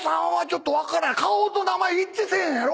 顔と名前一致せえへんやろ？